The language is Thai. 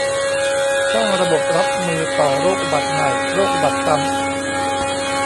สร้างระบบรับมือต่อโรคอุบัติใหม่ โรคอุบัติซ้ำ